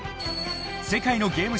［世界のゲーム